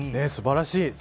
すばらしい。